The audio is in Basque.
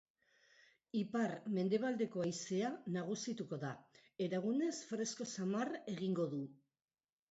Ipar-mendebaldeko haizea nagusituko da eta egunez fresko samar egingo du.